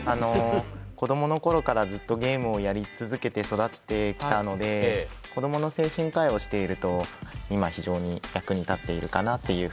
子どもの頃からずっとゲームをやり続けて育ってきたので子どもの精神科医をしていると今非常に役に立っているかなっていうふうに思います。